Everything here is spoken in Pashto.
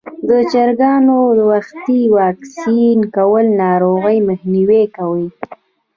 د چرګانو وختي واکسین کول ناروغۍ مخنیوی کوي.